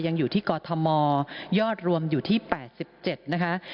ยังอยู่ที่กอทมยอดรวมอยู่ที่๘๗นะคะ